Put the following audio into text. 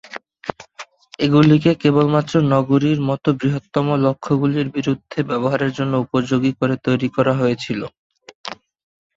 এগুলিকে কেবলমাত্র নগরীর মতো বৃহত্তম লক্ষ্যগুলির বিরুদ্ধে ব্যবহারের জন্য উপযোগী করে তৈরি করা হয়েছিল।